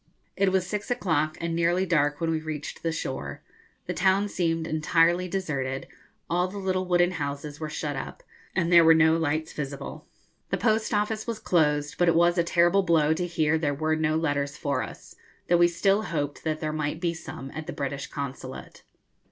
It was six o'clock, and nearly dark, when we reached the shore; the town seemed entirely deserted; all the little wooden houses were shut up, and there were no lights visible. The post office was closed, but it was a terrible blow to hear there were no letters for us, though we still hoped that there might be some at the British Consulate.